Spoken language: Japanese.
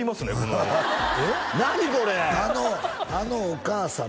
これあのお母さん